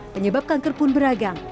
penyebab kanker pun beragam